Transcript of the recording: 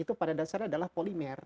itu pada dasarnya adalah polimer